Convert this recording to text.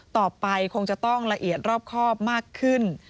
ต่อไปคงจะต้องละเอียดรอบครอบมากขึ้น